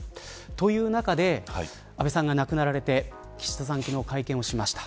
という中で安倍さんが亡くなられて岸田さん、昨日会見しました。